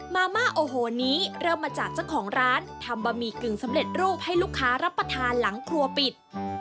มาม่าโอ้โหนี้เริ่มมาจากเจ้าของร้านทำบะหมี่กึ่งสำเร็จรูปให้ลูกค้ารับประทานหลังครัวปิด